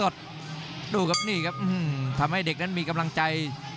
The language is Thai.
ดูครับนี่ครับทำให้เด็กนั้นมีกำลังใจ